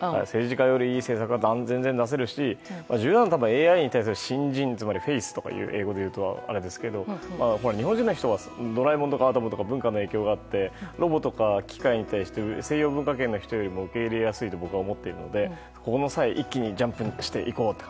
政治家よりいい政策は断然、全然出せるしＡＩに対する信心ＦＡＩＴＨとか言いますけど日本人の人は「ドラえもん」や「アトム」など文化の根底があってロボとか機械に対して西洋文化圏の人よりも受け入れやすいと思っていますのでこの際、一気にジャンピングしていこうと。